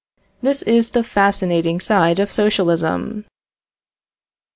This is the fascinating side of socialism.